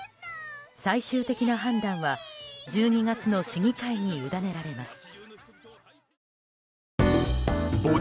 最終的な判断は１２月の市議会に委ねられます。